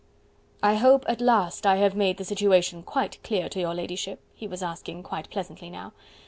"I hope at last I have made the situation quite clear to your ladyship?" he was asking quite pleasantly now.